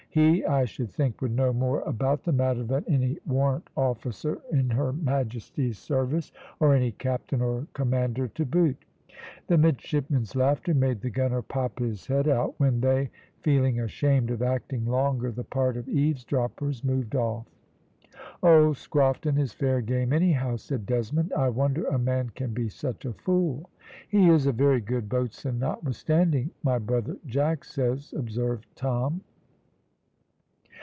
"He, I should think, would know more about the matter than any warrant officer in her Majesty's service, or any captain or commander to boot." The midshipmen's laughter made the gunner pop his head out, when they, feeling ashamed of acting longer the part of eaves droppers, moved off. "Old Scrofton is fair game anyhow," said Desmond. "I wonder a man can be such a fool." "He is a very good boatswain, notwithstanding, my brother Jack says," observed Tom.